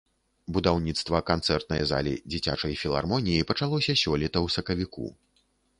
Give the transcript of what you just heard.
Будаўніцтва канцэртнай залі дзіцячай філармоніі пачалося сёлета ў сакавіку.